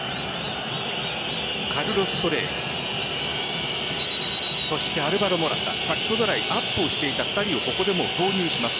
カルロス・ソレールアルヴァロ・モラタ先ほどアップをしていた２人をここで投入します。